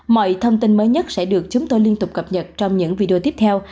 mọi thông tin mới nhất sẽ được chúng tôi liên tục cập nhật trong những video tiếp theo